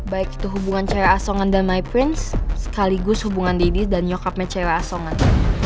baik itu hubungan ceyla asongan dan my prince sekaligus hubungan dedi dan nyokapnya ceyla asongan